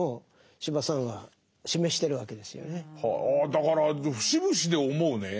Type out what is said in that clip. だから節々で思うね